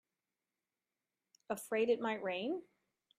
Afraid it might rain?